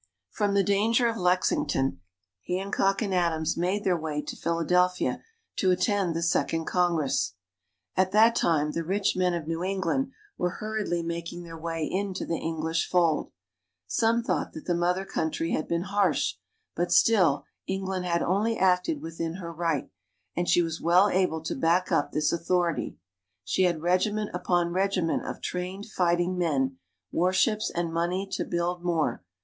From the danger of Lexington, Hancock and Adams made their way to Philadelphia to attend the Second Congress. At that time the rich men of New England were hurriedly making their way into the English fold. Some thought that the mother country had been harsh, but still, England had only acted within her right, and she was well able to back up this authority. She had regiment upon regiment of trained fighting men, warships, and money to build more.